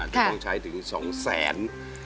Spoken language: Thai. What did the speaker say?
ถ้าใช้ถึงสองแสน